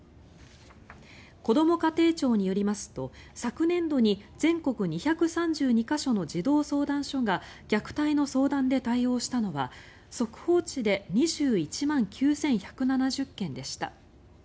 こども家庭庁によりますと昨年度に全国２３２か所の児童相談所が虐待の相談で対応したのは速報値で２１万９１７０件でした。